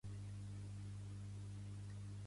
Sortejar un viatge al Rif.